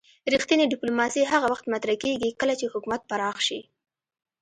رښتینې ډیپلوماسي هغه وخت مطرح کیږي کله چې حکومت پراخ شي